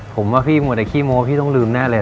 ผมว่าพี่มัวแต่ขี้โม้พี่ต้องลืมแน่เลย